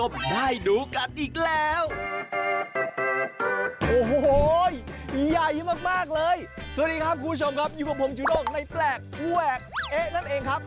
สวัสดีครับคุณผู้ชมครับอยู่กับผมจูด้งในแปลกแหวกเอ๊ะนั่นเองครับ